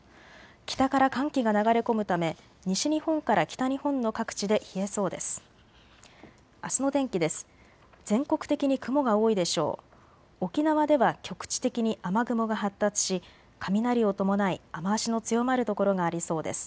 北から寒気が流れ込むため西日本から北日本の各地で冷えそうです。